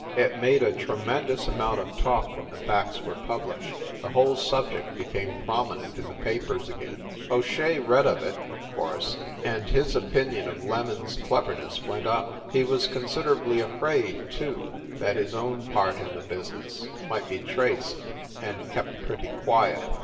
It made a tremendous amount of talk when the facts were published; the whole subject became prominent in the papers again. O Shea read of it, of course; and his opinion of "Lemon s" cleverness went up. He was consider ably afraid, too, that his own part in the business might be traced, and kept pretty quiet.